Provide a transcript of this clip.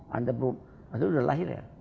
anda sudah lahir ya